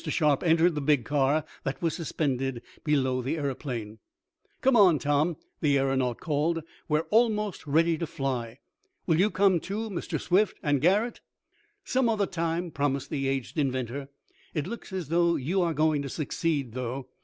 Sharp entered the big car that was suspended, below the aeroplanes. "Come on, Tom," the aeronaut called. "We're almost ready to fly. Will you come too, Mr. Swift, and Garret?" "Some other time," promised the aged inventor. "It looks as though you were going to succeed, though.